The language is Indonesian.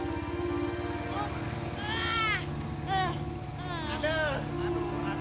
udah diam diam dimas lo jangan terlalu kasar udah